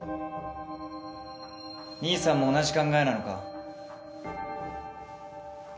兄さんも同じ考えなのか？